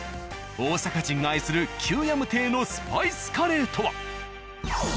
大阪人が愛する「旧ヤム邸」のスパイスカレーとは？